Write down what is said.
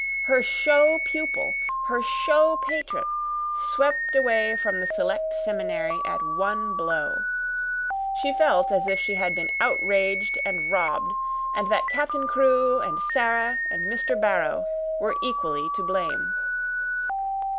Her show pupil, her show patron, swept away from the Select Seminary at one blow. She felt as if she had been outraged and robbed, and that Captain Crewe and Sara and Mr. Barrow were equally to blame.